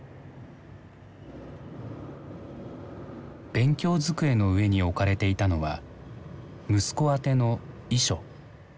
勉強机の上に置かれていたのは息子宛ての遺書。